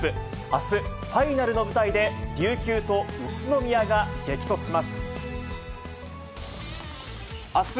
あす、ファイナルの舞台で、琉球と宇都宮が激突します。